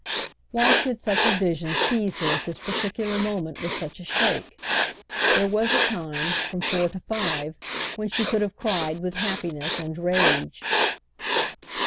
Why should such a vision seize her at this particular moment with such a shake? There was a time—from four to five—when she could have cried with happiness and rage.